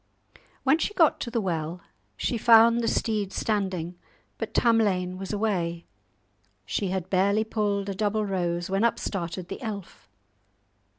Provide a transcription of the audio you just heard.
When she got to the well, she found the steed standing, but Tamlane was away. She had barely pulled a double rose, when up started the elf.